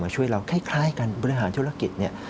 ช่วยเราคล้ายการบริหารธุรกิจเนี่ย